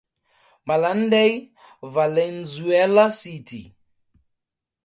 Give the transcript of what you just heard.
Malanday, Valenzuela City.